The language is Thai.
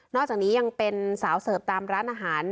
อกจากนี้ยังเป็นสาวเสิร์ฟตามร้านอาหาร